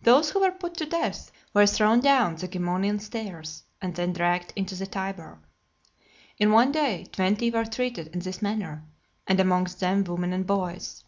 Those who were put to death, were thrown down the Gemonian stairs, and then dragged into the Tiber. In one day, twenty were treated in this manner; and amongst them women and boys.